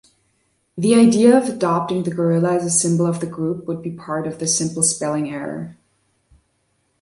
The idea of adopting the gorilla as a symbol of the group, would be part of a simple spelling error.